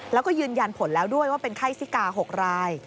แล้วก็ยืนยันผลแล้วด้วยว่าเป็นไข้ซิกา๖ราย